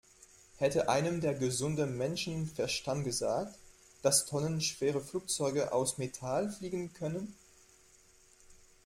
Hätte einem der gesunde Menschenverstand gesagt, dass tonnenschwere Flugzeuge aus Metall fliegen können?